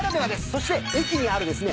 そして駅にあるですね